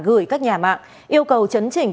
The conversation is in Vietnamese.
gửi các nhà mạng yêu cầu chấn chỉnh